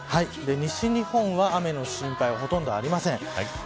西日本は雨の心配はほとんどありません。